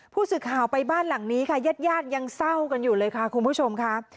ผู้สื่อข่าวไปบ้านหลังนี้ค่ะญาติญาติยังเศร้ากันอยู่เลยค่ะคุณผู้ชมค่ะ